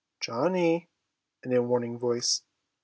'Johnny!' in a warning voice.